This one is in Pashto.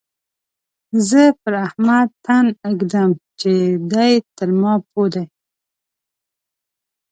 زه پر احمد تن اېږدم چې دی تر ما پوه دی.